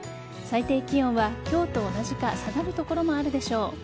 最低気温は今日と同じか下がる所もあるでしょう。